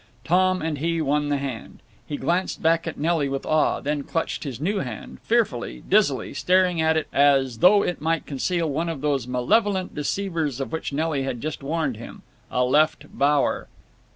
Tom and he won the hand. He glanced back at Nelly with awe, then clutched his new hand, fearfully, dizzily, staring at it as though it might conceal one of those malevolent deceivers of which Nelly had just warned him—a left bower.